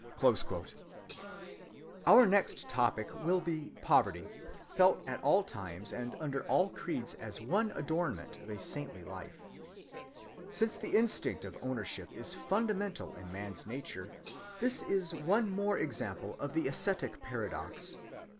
(190) Our next topic shall be Poverty, felt at all times and under all creeds as one adornment of a saintly life. Since the instinct of ownership is fundamental in man's nature, this is one more example of the ascetic paradox.